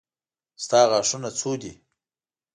ستا غاښونه څو دي.